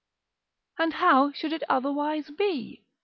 And how should it otherwise be?